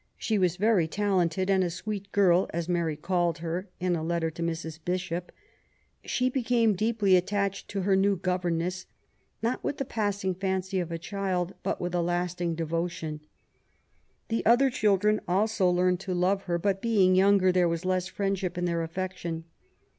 She was very talented^ and a '' sweet girl/' as Mary called her in a letter to Mrs. Bishop. She became deeply attached to her new * governess^ not with the passing fancy of a child, but with a lasting devotion. The other children also learned to love her, but being younger there was less friendship in their affection.